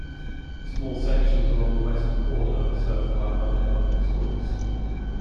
Small sections along the western border are served by Ida Public Schools.